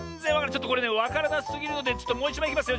ちょっとこれねわからなすぎるのでちょっともういちまいいきますよ。